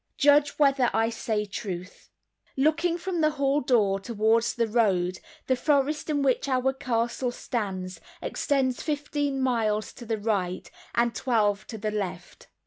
Judge whether I say truth. Looking from the hall door towards the road, the forest in which our castle stands extends fifteen miles to the right, and twelve to the left.